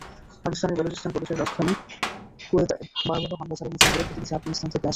পাকিস্তানের বেলুচিস্তান প্রদেশের রাজধানী কোয়েটায় ভয়াবহ হামলা চালানো জঙ্গিরা প্রতিবেশী আফগানিস্তান থেকে আসে।